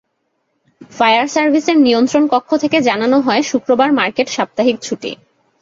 Fire সার্ভিসের নিয়ন্ত্রণ কক্ষ থেকে জানানো হয়, শুক্রবার মার্কেট সাপ্তাহিক ছুটি।